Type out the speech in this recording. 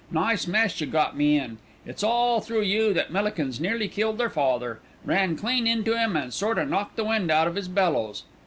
Nice mess you got me in. It's all through you that Millikins nearly killed 'er father. Ran clean into 'im and sort o' knocked the wind out of 'is bellows."